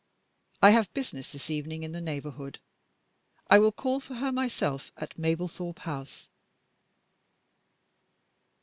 I have business this evening in the neighborhood. I will call for her myself at Mablethorpe House."